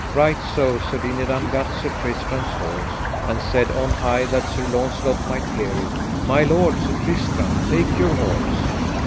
Right so Sir Dinadan gat Sir Tristram's horse, and said on high that Sir Launcelot might hear it: My lord Sir Tristram, take your horse.